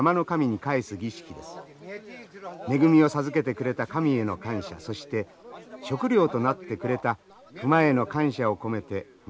恵みを授けてくれた神への感謝そして食料となってくれた熊への感謝を込めてマタギたちは祈ります。